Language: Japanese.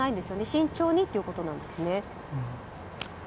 慎重にということなんですね。